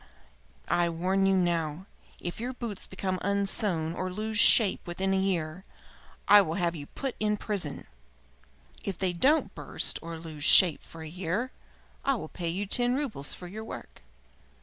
I warn you now if your boots become unsewn or lose shape within a year, I will have you put in prison. If they don't burst or lose shape for a year I will pay you ten roubles for your work."